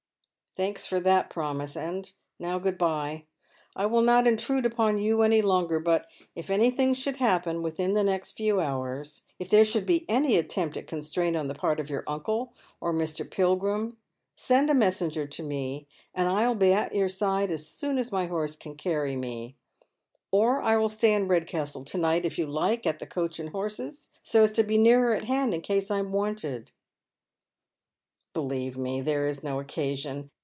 " Thanks for that promise. And now good bye. I will not intrude upon you any longer ; but if anytliing should happen within the next few hours — if there should be any attempt at constraint on the part of your uncle, or Mr. Pilgrim, send a messenger to me, and I will be at your side as soon as my horso can carry me ; or I will stay in Redcastle to night, if you like, at the " Coach and Horses," so as to be nearer at hand in case I am wanted." " Believe me, there is no occasion.